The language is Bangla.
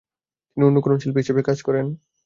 তিনি অনুকরণশিল্পী হিসেবে কাজ করেন।